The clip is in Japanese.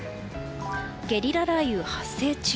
ゲリラ雷雨発生中。